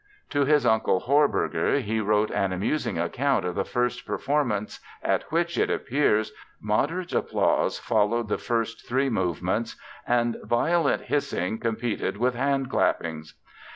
To his uncle Horburger he wrote an amusing account of the first performance at which, it appears, moderate applause followed the first three movements and violent hissing competed with handclappings.